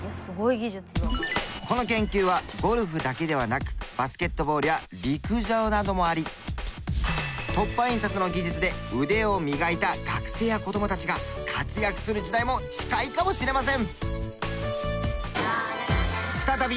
この研究はゴルフだけではなくバスケットボールや陸上などもあり凸版印刷の技術で腕を磨いた学生や子供たちが活躍する時代も近いかもしれません。